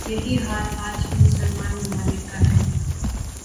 یہی حال آج کے مسلمان ممالک کا ہے ۔